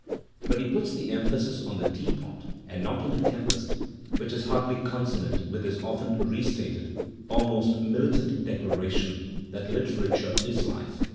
But he puts the emphasis on the teapot and not on; the tempest, which is hardly consonant with his often) restated, almost militant declaration that literature is life.